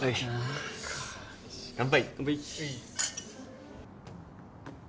乾杯。